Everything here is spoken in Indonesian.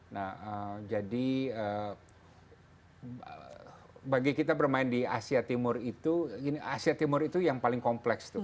nah jadi bagi kita bermain di asia timur itu asia timur itu yang paling kompleks tuh